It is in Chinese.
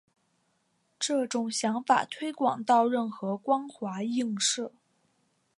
这种想法推广到任何光滑映射。